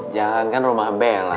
jangan kan rumah bella